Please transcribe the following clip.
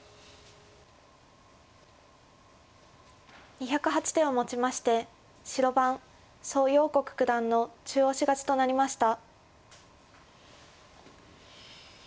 ２０８手をもちまして白番蘇耀国九段の中押し勝ちとなりました。